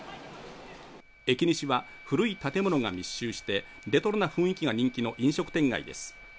エキニシは古い建物が密集してレトロな雰囲気が人気の飲食店街です